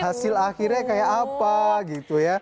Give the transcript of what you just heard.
hasil akhirnya kayak apa gitu ya